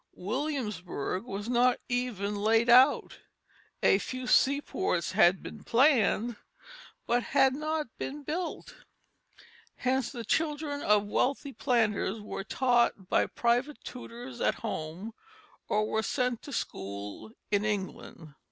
Williamsburg was not even laid out; a few seaports had been planned, but had not been built. Hence the children of wealthy planters were taught by private tutors at home, or were sent to school in England.